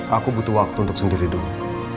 aku butuh waktu untuk sendiri dulu